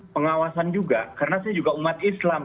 pengawasan juga karena saya juga umat islam